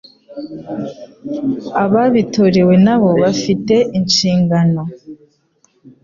Ababitorewe na bo bafite inshingano